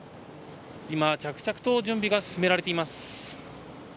今、着々と準備が進められています。